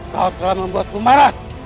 kau telah membuatku marah